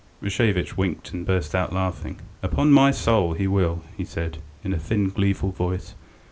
Rashevitch winked and burst out laughing. "Upon my soul, he will!" he said, in a thin, gleeful voice.